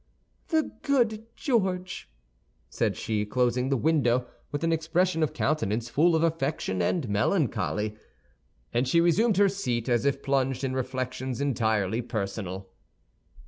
"The good George!" said she, closing the window with an expression of countenance full of affection and melancholy. And she resumed her seat, as if plunged in reflections entirely personal.